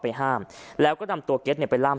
พระเจ้าอาวาสกันหน่อยนะครับ